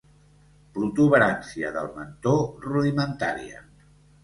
Protuberància del mentó rudimentària.